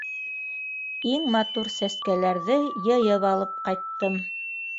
Иң матур сәскәләрҙе йыйып алып ҡайттым.